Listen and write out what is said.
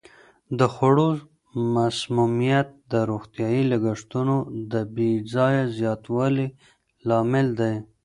د خوړو مسمومیت د روغتیايي لګښتونو د بې ځایه زیاتوالي لامل دی.